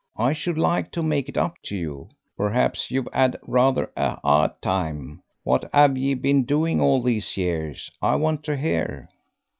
I should like to make it up to you. Perhaps you've 'ad rather a 'ard time. What 'ave yer been doing all these years? I want to hear."